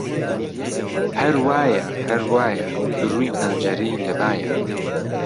ههر وایه ههر وایه رووی پهنجهرهی له بایه